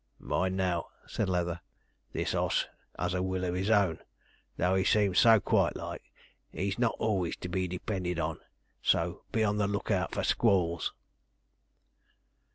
'Mind now,' said Leather, 'this oss as a will of his own; though he seems so quiet like, he's not always to be depended on; so be on the look out for squalls.'